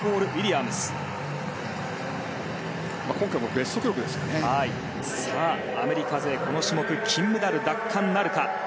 アメリカ勢、この種目金メダル奪還なるか。